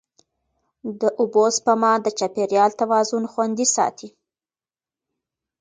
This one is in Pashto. د اوبو سپما د چاپېریال توازن خوندي ساتي.